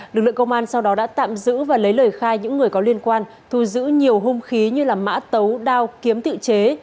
lực lượng công an sau đó đã tạm giữ và lấy lời khai những người có liên quan thu giữ nhiều hung khí như mã tấu đao kiếm tự chế